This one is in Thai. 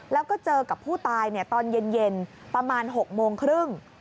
และเจอกับผู้ตายตอนเย็นประมาณ๖๓๐น